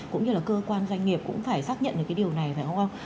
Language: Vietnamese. cũng như là cơ quan doanh nghiệp cũng phải xác nhận được cái điều này phải không